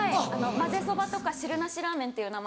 まぜそばとか汁なしラーメンっていう名前で。